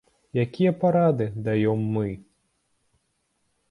Якія парады даём мы?